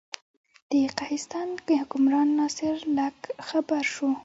د قهستان حکمران ناصر لک خبر شو.